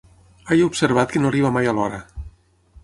He observat que no arriba mai a l'hora.